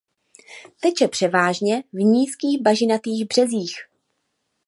Teče převážně v nízkých bažinatých březích.